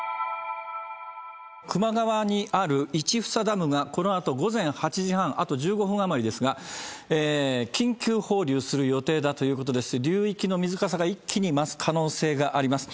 球磨川にある市房ダムが、このあと午前８時半、あと１５分余りですが、緊急放流する予定だということでして、流域の水かさが一気に増す可能性があります。